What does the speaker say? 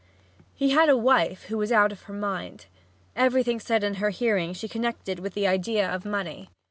He had a wife who was out of her mind. Everything said in her hearing she connected with the idea of money.